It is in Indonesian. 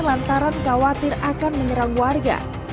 lantaran khawatir akan menyerang warga